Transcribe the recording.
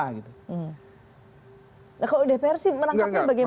kalau dpr sih menangkapnya bagaimana